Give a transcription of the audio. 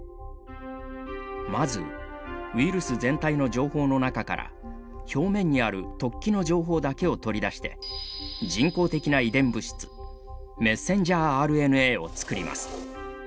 まずウイルス全体の情報の中から表面にある突起の情報だけを取り出して人工的な遺伝物質ｍＲＮＡを作ります。